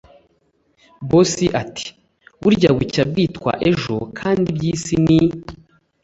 boss ati”burya bucya bwitwa ejo kandi ibyisi ni